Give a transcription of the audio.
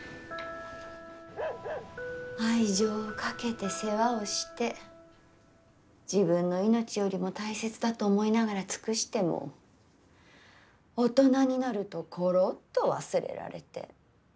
愛情をかけて世話をして自分の命よりも大切だと思いながら尽くしても大人になるとコロッと忘れられて。